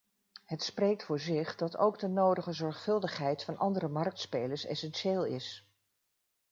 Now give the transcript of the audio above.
Het spreekt voor zich dat ook de nodige zorgvuldigheid van andere marktspelers essentieel is.